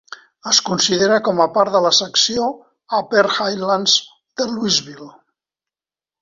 Es considera com a part de la secció Upper Highlands de Louisville.